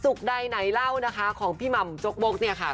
ศุกย์ใดไหนเล่านะฮะของพี่ม่ำโจ๊กโบ๊กเนี่ยค่ะ